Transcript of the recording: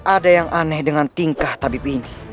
ada yang aneh dengan tingkah tabib ini